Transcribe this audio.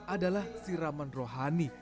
adalah siraman rohani